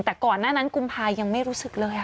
แต่ก่อนหน้านั้นกุมภายังไม่รู้สึกเลย